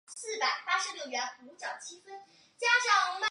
属名是以发现化石的迪布勒伊家庭为名。